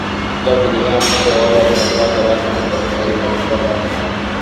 bila kutegemea mapokeo wala mamlaka rasmi ya Kanisa ila msaada wa